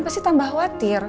pasti tambah khawatir